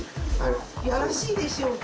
よろしいでしょうか？